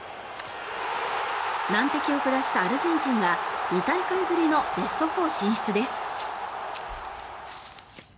難敵を下したアルゼンチンが２大会ぶりのベスト４進出です。